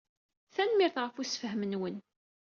Tanemmirt ɣef ussefhem-nwen.